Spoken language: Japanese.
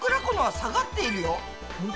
このは下がっているよ。